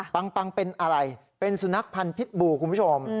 ปังเป็นอะไรเป็นสุนัขพันธ์พิษบูคุณผู้ชม